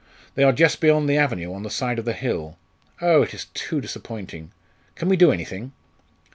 They are just beyond the avenue, on the side of the hill. Oh! it is too disappointing! Can we do anything?"